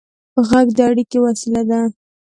غږ د اړیکې وسیله ده.